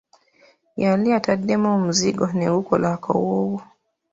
Yali ataddemu omuzigo ne gukola akawoowo.